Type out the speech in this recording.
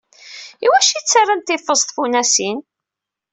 Iwacu ttarrant ifeẓ tfunasin?